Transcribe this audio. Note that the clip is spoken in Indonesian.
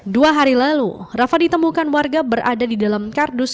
dua hari lalu rafa ditemukan warga berada di dalam kardus